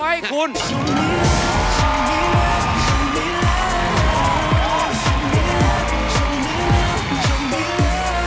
สวัสดีครับสวัสดีครับ